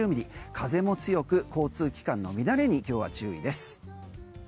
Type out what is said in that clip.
風も強く、交通機関の乱れに今日は注意です。